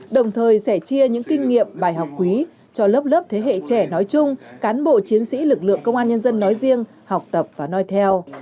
đồng thời sẻ chia những kinh nghiệm bài học quý cho lớp lớp thế hệ trẻ nói chung cán bộ chiến sĩ lực lượng công an nhân dân nói riêng học tập và nói theo